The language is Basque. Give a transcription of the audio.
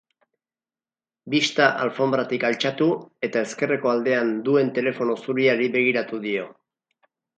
Bista alfonbratik altxatu eta ezkerreko aldean duen telefono zuriari begiratu dio.